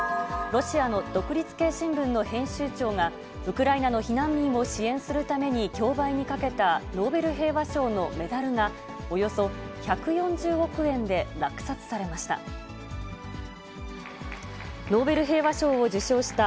ロシアの独立系新聞の編集長が、ウクライナの避難民を支援するために競売にかけたノーベル平和賞のメダルが、およそ１４０億円で落札されました。